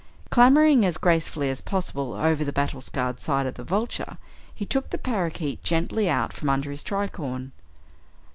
Clambering as gracefully as possible over the battle scarred side of the Vulture, he took the parakeet gently out from under his tricorne.